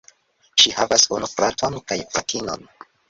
Ŝi havas unu fraton kaj fratinon.